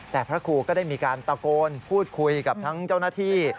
แต่พระครูก็ได้มีการตะโกนพูดคุยกับทั้งเจ้าหน้าที่